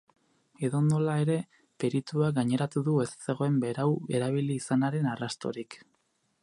Edonola ere, perituak gaineratu du ez zegoen berau erabili izanaren arrastorik.